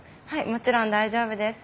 もちろん大丈夫です。